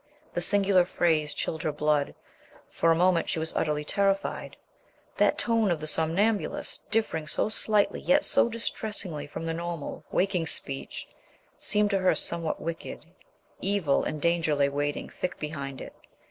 The singular phrase chilled her blood, for a moment she was utterly terrified. That tone of the somnambulist, differing so slightly yet so distressingly from normal, waking speech, seemed to her somehow wicked. Evil and danger lay waiting thick behind it.